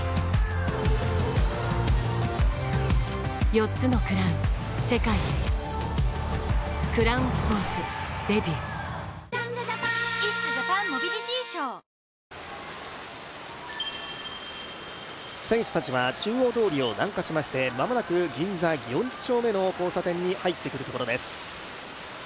．４つの「クラウン」世界へ「ＣＲＯＷＮＳＰＯＲＴ」デビュー選手たちは中央通りを南下しまして、間もなく銀座四丁目の交差点に入ってくるところです。